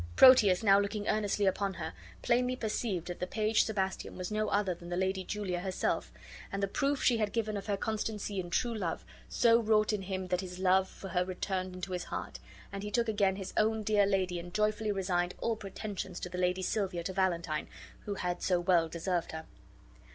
Proteus, now looking earnestly upon her, plainly perceived that the page Sebastian was no other than the Lady Julia herself; and the proof she had given of her constancy and true love so wrought in him that his love for her returned into his heart, and he took again his own dear lady and joyfully resigned all pretensions to the Lady Silvia to Valentine, who had so well deserved her.